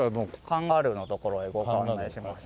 カンガルーの所へご案内しましょう。